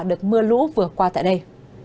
đợt mưa lũ vừa qua tại đây